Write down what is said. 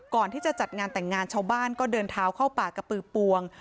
จัดงานแต่งงานชาวบ้านก็เดินเท้าเข้าป่ากระปือปวง